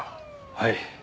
はい。